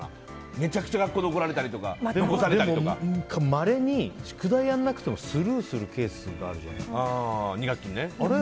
めちゃくちゃ学校で怒られたりでもまれに宿題やらなくてもスルーするケースがあるじゃない。